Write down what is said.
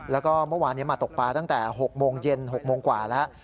แล้วก็เมื่อวานนี้มาตกปลาตั้งแต่๖โมงเย็น๖โมงกว่าแล้ว